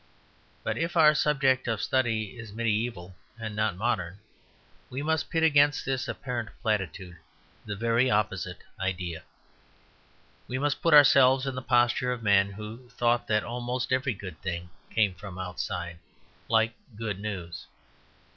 But if our subject of study is mediæval and not modern, we must pit against this apparent platitude the very opposite idea. We must put ourselves in the posture of men who thought that almost every good thing came from outside like good news.